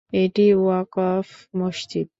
এটি ওয়াকফ মসজিদ।